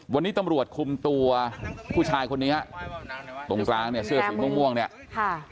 วันนี้ตำรวจคุมตัวผู้ชายคนนี้ฮะตรงกลางเนี่ยเสื้อสีม่วงม่วงเนี่ยค่ะ